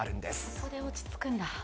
そこで落ち着くんだ。